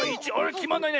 きまんないね。